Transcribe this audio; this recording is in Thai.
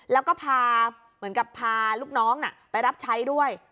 แล้วก็พาเหมือนกับพาลูกน้องไปรับใช้ด้วย